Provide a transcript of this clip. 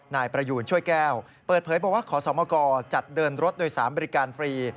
นายประยูนช่วยแก้วเปิดเผยบอกว่าขอสมกจัดเดินรถโดยสารบริการฟรี